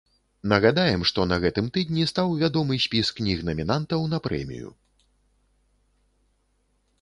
Нагадаем, што на гэтым тыдні стаў вядомы спіс кніг-намінантаў на прэмію.